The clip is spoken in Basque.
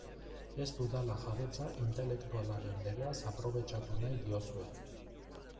Ez dudala jabetza intelektualaren legeaz aprobetxatu nahi diozue.